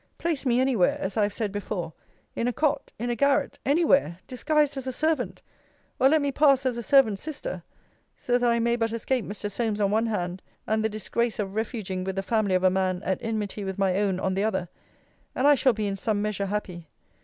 Place me any where, as I have said before in a cot, in a garret; any where disguised as a servant or let me pass as a servant's sister so that I may but escape Mr. Solmes on one hand, and the disgrace of refuging with the family of a man at enmity with my own, on the other; and I shall be in some measure happy!